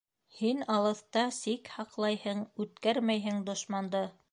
Һин алыҫта сик һаҡлайһың, үткәрмәйһең дошманды.